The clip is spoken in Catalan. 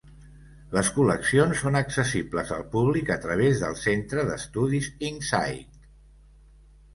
Les col·leccions són accessibles al públic a través del centre d'estudis Insight.